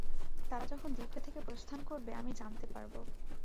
তারা যখন দ্বীপটা থেকে প্রস্থান করবে আমি জানতে পারবো।